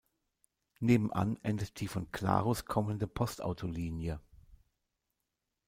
Nebenan endet die von Glarus kommende Postautolinie.